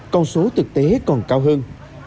con số thực tế còn cao hơn